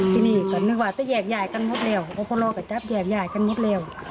ที่นี่ก็นึกว่าจะแหยกยายกันหมดแล้ว